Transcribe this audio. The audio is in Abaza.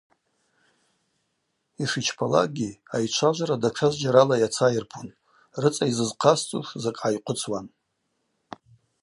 Йшичпалакӏгьи айчважварала датша зджьарала йацайырпун, рыцӏа йзызхъасцӏуш закӏ гӏайхъвыцуан.